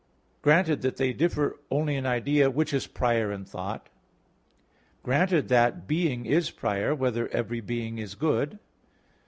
(2) Granted that they differ only in idea, which is prior in thought? (3) Granted that being is prior, whether every being is good?